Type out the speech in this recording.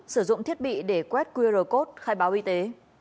sử dụng thiết bị để quét qr code khai báo y tế